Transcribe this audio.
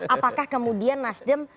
apakah kemudian nasdem